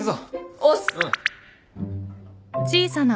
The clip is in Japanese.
おっす。